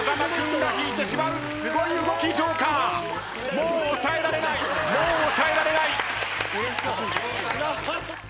もう抑えられないもう抑えられない。